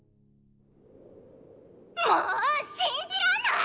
もう信じらんない！